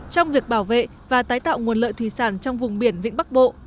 trong việc bảo vệ và tái tạo nguồn lợi thủy sản trong vùng biển vĩnh bắc bộ